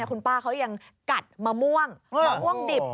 คุณป้าเขายังกัดมะม่วงหลอกกว้องดิบ